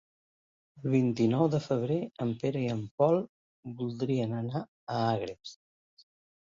El vint-i-nou de febrer en Pere i en Pol voldrien anar a Agres.